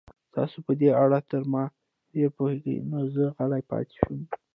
تاسو په دې اړه تر ما ډېر پوهېږئ، نو زه غلی پاتې شم.